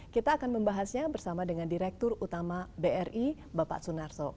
kita akan membahasnya bersama dengan direktur utama bri bapak sunarso